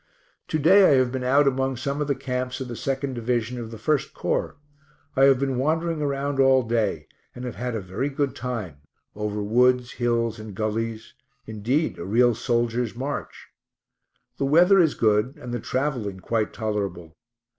To day I have been out among some of the camps of the 2nd division of the 1st Corps. I have been wandering around all day, and have had a very good time, over woods, hills, and gullies indeed, a real soldier's march. The weather is good and the travelling quite tolerable.